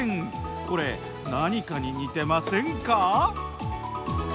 これ何かに似てませんか？